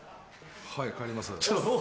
はい帰ります。